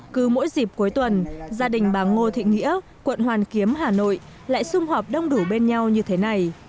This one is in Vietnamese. cứ mỗi dịp cuối tuần gia đình bà ngô thị nghĩa quận hoàn kiếm hà nội lại xung họp đông đủ bên nhau như thế này